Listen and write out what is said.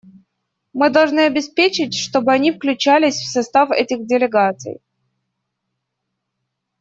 Мы должны обеспечить, чтобы они включались в состав этих делегаций.